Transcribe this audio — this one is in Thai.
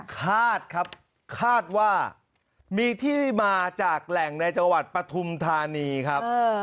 คาดครับคาดว่ามีที่มาจากแหล่งในจังหวัดปฐุมธานีครับ